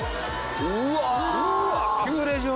うわ。